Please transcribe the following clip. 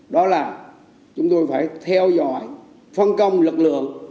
đó là chúng tôi phải theo dõi phân công lực lượng